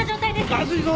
まずいぞ！